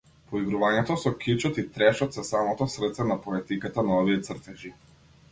Поигрувањето со кичот и трешот се самото срце на поетиката на овие цртежи.